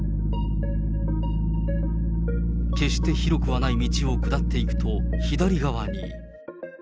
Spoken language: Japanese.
決して広くはない道を下っていくと、左側に。